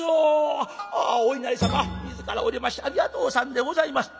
「あっお稲荷様自らお出ましありがとうさんでございます」。